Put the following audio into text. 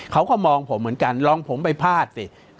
เขาก็มองผมเหมือนกันลองผมไปพลาดสิ